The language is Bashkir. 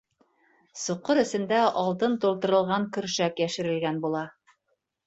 Соҡор эсендә алтын тултырылған көршәк йәшерелгән була.